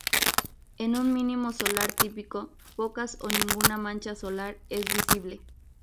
En un mínimo solar típico, pocas o ninguna mancha solar es visible.